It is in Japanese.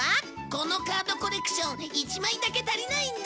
このカードコレクション１枚だけ足りないんだ